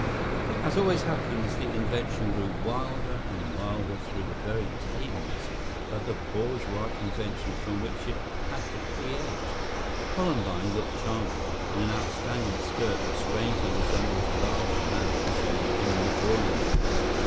As always happens, the invention grew wilder and wilder through the very tameness of the bourgeois conventions from which it had to create. The columbine looked charming in an outstanding skirt that strangely resembled the large lamp shade in the drawing room.